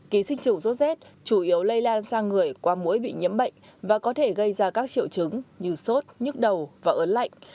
ký sinh trùng sốt rét chủ yếu lây lan sang người qua mũi bị nhiễm bệnh và có thể gây ra các triệu chứng như sốt nhức đầu và ớn lạnh